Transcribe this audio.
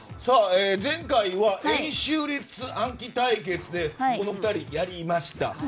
前回は円周率暗記対決でこの２人、やりました。